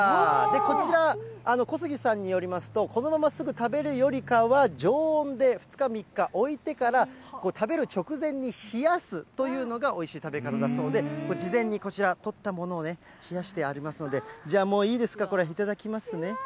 こちら、小杉さんによりますと、このまますぐ食べるよりかは、常温で、２日、３日置いてから、食べる直前に冷やすというのがおいしい食べ方だそうで、事前にこちら、取ったものをね、冷やしてありますので、じゃあ、もういいですか、これ、頂きますね。